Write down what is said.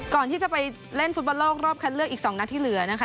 ก่อนที่จะไปเล่นฟุตบอลโลกรอบคัดเลือกอีก๒นัดที่เหลือนะคะ